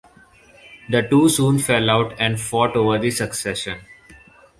The two soon fell out and fought over the succession.